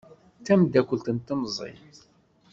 D tameddakelt n temẓi.